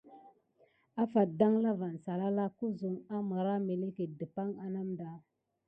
Afate dangla van salala kuzuk wamərah meleket dəpaŋk a namda.